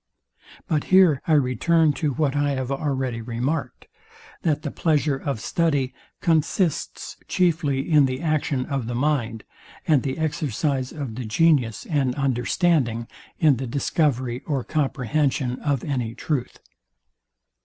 But here I return to what I have already remarked, that the pleasure of study conflicts chiefly in the action of the mind, and the exercise of the genius and understanding in the discovery or comprehension of any truth.